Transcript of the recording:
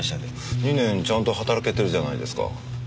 ２年ちゃんと働けてるじゃないですか。